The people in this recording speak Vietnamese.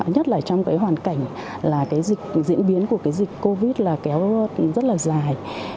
nhất là trong cái hoàn cảnh là cái diễn biến của cái dịch covid là kéo rất là dài